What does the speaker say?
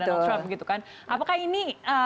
donald trump apakah ini